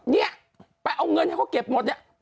เนี่ยไปเอาเงินให้เขาเก็บหมดหวก็เป็นแมงดาสิ